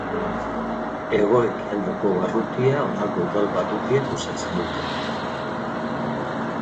Hego-ekialdeko barrutia honako udal barrutiek osatzen dute.